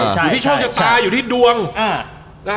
อยู่ที่ช่องจัดตาอยู่ที่ดวง